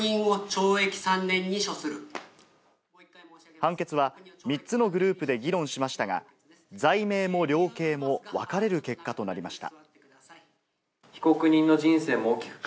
判決は３つのグループで議論しましたが、罪名も量刑も、わかれる結果となりました。